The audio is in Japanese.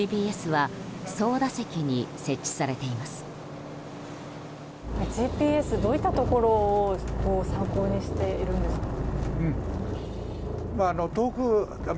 ＧＰＳはどういったところを参考にしているんですか？